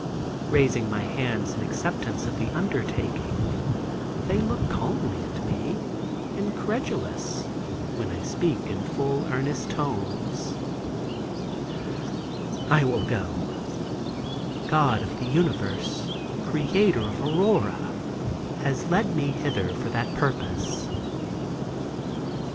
Raising my hands in acceptance of the undertaking, they look calmly at me, incredulous, when I speak in full earnest tones: "I will go, God of the universe, Creator of aurora has led me hither for that purpose."